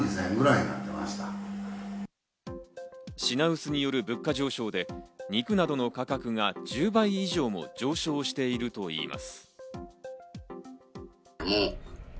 品薄による物価上昇で肉などの価格が１０倍以上も上昇しているといいます。